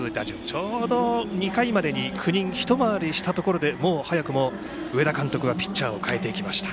ちょうど、２回までに９人１回りしたところでもう早くも上田監督がピッチャーを代えていきました。